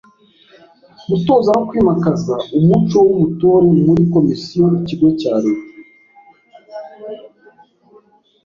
Gutoza no kwimakaza umuco w’ubutore muri komisiyo/ikigo cya leta